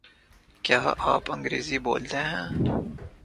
کیا آپ انگریزی بولتے ہیں؟